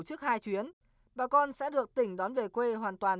trước hai chuyến bà con sẽ được tỉnh đón về quê hoàn toàn